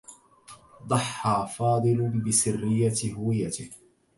ضحّى فاضل بسرّية هويته.